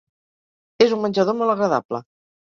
És un menjador molt agradable